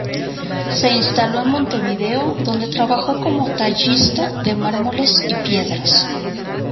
Se instaló en Montevideo, donde trabajó como tallista de mármoles y piedras.